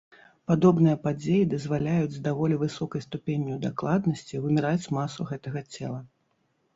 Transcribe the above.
Падобныя падзеі дазваляюць з даволі высокай ступенню дакладнасці вымераць масу гэтага цела.